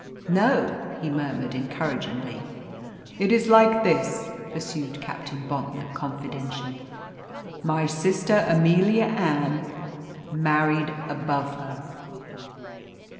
"No," he murmured encouragingly, "It is like this," pursued Captain Bontnor, confidentially. "My sister, Amelia Ann, married above her."